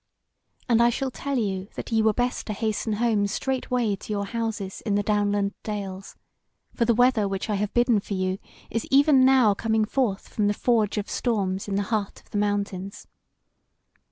And I shall tell you that ye were best to hasten home straightway to your houses in the downland dales, for the weather which I have bidden for you is even now coming forth from the forge of storms in the heart of the mountains.